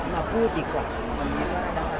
มาพูดดีกว่า